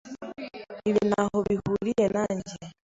Ibi ntaho bihuriye nanjye.